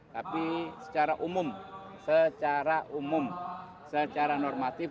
tapi secara umum secara umum secara normatif